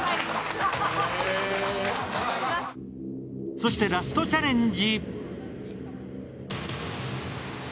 そして、ラストチャレンジ。